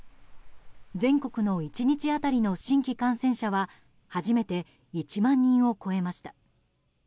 全国の１日当たりの新規感染者は初めて１万人を超えました。